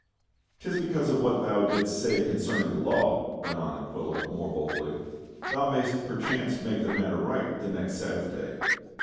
" 'Tis because of what thou didst say concerning the law," went on Aquila more boldly. " Thou mayst perchance make the matter right the next Sab bath day."